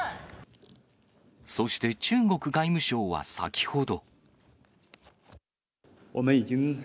そして中国外務省は先ほど。